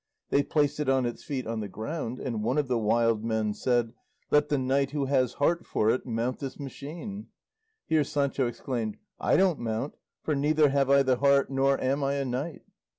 They placed it on its feet on the ground, and one of the wild men said, "Let the knight who has heart for it mount this machine." Here Sancho exclaimed, "I don't mount, for neither have I the heart nor am I a knight."